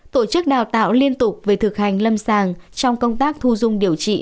tổ chức đào tạo liên tục về thực hành lâm sàng trong công tác thu dung điều trị